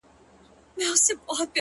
سري وخت دی’ ځان له دغه ښاره باسه’